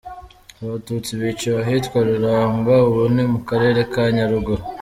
Abatutsi biciwe ahitwa Ruramba, ubu ni mu Karere ka Nyaruguru.